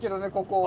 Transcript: ここ。